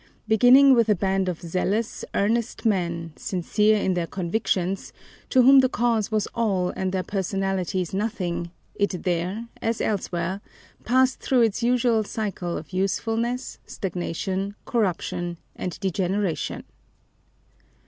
Beginning with a band of zealous, earnest men, sincere in their convictions, to whom the cause was all and their personalities nothing, it there, as elsewhere, passed through its usual cycle of usefulness, stagnation, corruption, and degeneration.